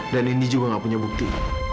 dan indi juga nggak punya bukti